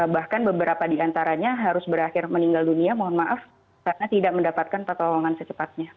bahkan beberapa di antaranya harus berakhir meninggal dunia mohon maaf karena tidak mendapatkan pertolongan secepatnya